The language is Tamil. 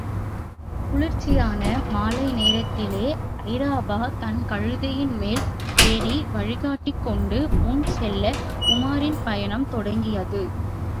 குளிர்ச்சியான மாலை நேரத்திலே ஜபாரக் தன் கழுதையின்மேல் ஏறி வழிகாட்டிக் கொண்டு முன் செல்ல உமாரின் பயணம் தொடங்கியது.